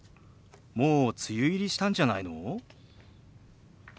もう梅雨入りしたんじゃないの？